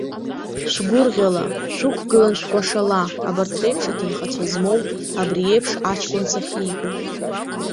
Шәгәырӷьала, шәықәгылан шәкәашала, абарҭ реиԥш аҭынхацәа змоу, абри иеиԥш аҷкәын сахьиго!